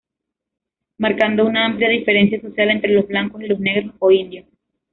Marcando una amplia diferencia social entre los blancos y los negros o indios.